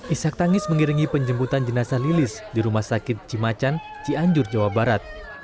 ishak tangis mengiringi penjemputan jenazah lilis di rumah sakit cimacan cianjur jawa barat